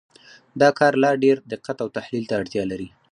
دا کار لا ډېر دقت او تحلیل ته اړتیا لري.